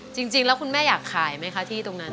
จริงแล้วคุณแม่อยากขายไหมคะที่ตรงนั้น